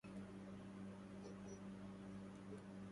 هل آجل مما أؤمل عاجل